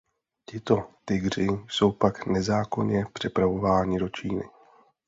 Tito tygři jsou pak nezákonně přepravováni do Číny.